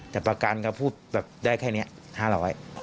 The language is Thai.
แต่ประกันก็พูดแบบได้แค่นี้๕๐๐บาท